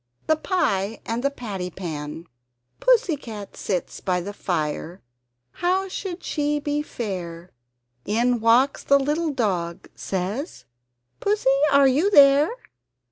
THE PIE AND THE PATTY PAN Pussy cat sits by the fire how should she be fair? In walks the little dog says "Pussy are you there?